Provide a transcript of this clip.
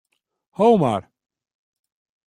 Ho mar.